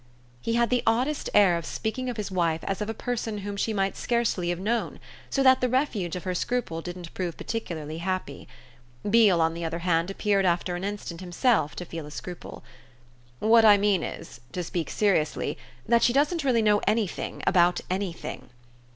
He had the oddest air of speaking of his wife as of a person whom she might scarcely have known, so that the refuge of her scruple didn't prove particularly happy. Beale on the other hand appeared after an instant himself to feel a scruple. "What I mean is, to speak seriously, that she doesn't really know anything about anything."